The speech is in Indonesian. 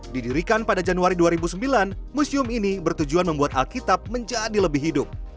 didirikan pada januari dua ribu sembilan museum ini bertujuan membuat alkitab menjadi lebih hidup